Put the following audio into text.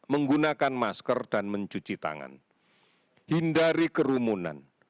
menggunakan masker dan mencuci tangan hindari kerumunan